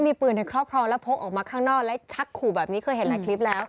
มีปืนในครอบครองแล้วพกออกมาข้างนอกและชักขู่แบบนี้เคยเห็นหลายคลิปแล้ว